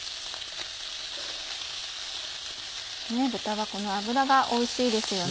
豚はこの脂がおいしいですよね。